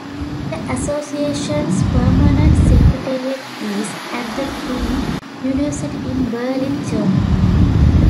The association's permanent secretariat is at the Freie University in Berlin, Germany.